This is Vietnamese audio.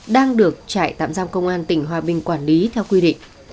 đang được trại tạm giam công an tỉnh hòa bình quản lý theo quy định